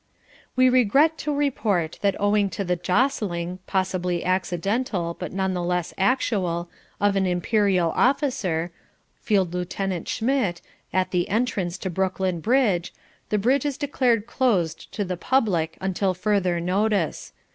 We regret to report that owing to the jostling (possibly accidental, but none the less actual) of an Imperial officer Field Lieutenant Schmidt at the entrance to Brooklyn Bridge, the bridge is declared closed to the public until further notice.